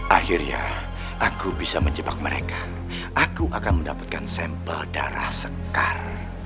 akhirnya aku bisa menjebak mereka aku akan mendapatkan sampel darah sekar